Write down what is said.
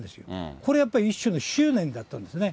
これやっぱり、一種の執念だったんですね。